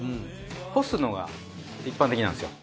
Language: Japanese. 干すのが一般的なんですよ。